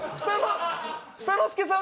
房之助さん